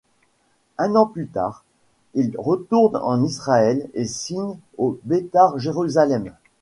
Un an plus tard, il retourne en Israël et signe au Betar Jérusalem.